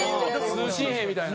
通信兵みたいな。